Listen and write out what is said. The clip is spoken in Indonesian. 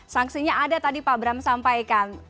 sanksinya ada tadi pak bram sampaikan